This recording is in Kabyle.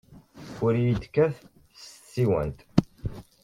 Ur iyi-d-kkat s tsiwant!